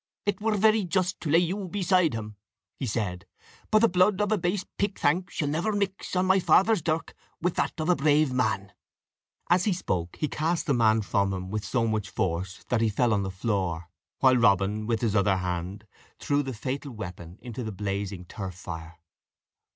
"It were very just to lay you beside him," he said, "but the blood of a base pickthank shall never mix on my father's dirk with that of a brave man." As he spoke, he cast the man from him with so much force that he fell on the floor, while Robin, with his other hand, threw the fatal weapon into the blazing turf fire.